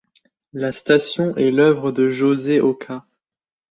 La station est l'œuvre de José Oca.